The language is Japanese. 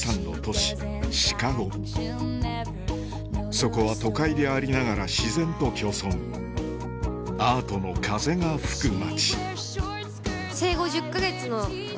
そこは都会でありながら自然と共存アートの風が吹く街